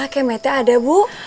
kemetnya ada bu